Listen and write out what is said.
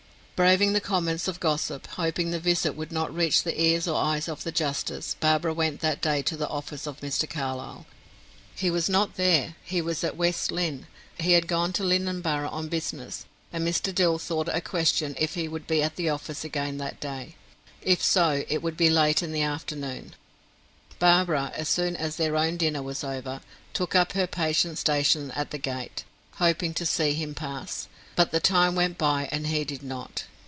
Braving the comments of the gossips, hoping the visit would not reach the ears or eyes of the justice, Barbara went that day to the office of Mr. Carlyle. He was not there, he was at West Lynne; he had gone to Lynneborough on business, and Mr. Dill thought it a question if he would be at the office again that day. If so, it would be late in the afternoon. Barbara, as soon as their own dinner was over, took up her patient station at the gate, hoping to see him pass; but the time went by and he did not.